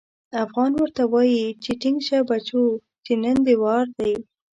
افغان ورته وايي چې ټينګ شه بچو چې نن دې وار دی.